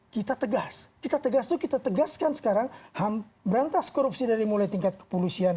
kita tegas kita tegas itu kita tegaskan sekarang ham berantas korupsi dari mulai tingkat kepolisian